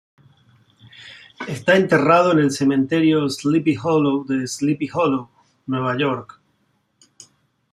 Está enterrado en el Cementerio Sleepy Hollow de Sleepy Hollow, Nueva York.